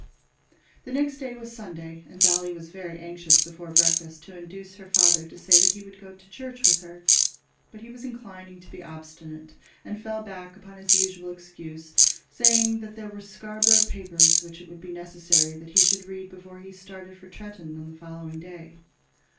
The next day was Sunday, and Dolly was very anxious before breakfast to induce her father to say that he would go to church with her; but he was inclined to be obstinate, and fell back upon his usual excuse, saying that there were Scarborough papers which it would be necessary that he should read before he started for Tretton on the following day.